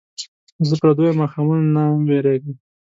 زه پردیو ماښامونو نه ویرېږم